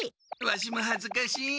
ワシもはずかしい。